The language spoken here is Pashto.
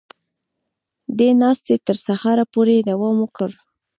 دې ناستې تر سهاره پورې دوام وکړ